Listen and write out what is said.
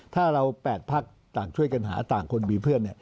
ถ้าเรา๘พักต่างช่วยกันหาต่างคนมีเพื่อน